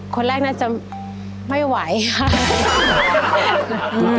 คนแรกน่าจะไม่ไหวค่ะ